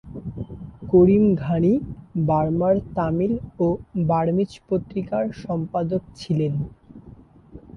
করিম ঘানি বার্মার তামিল ও বার্মিজ পত্রিকার সম্পাদক ছিলেন।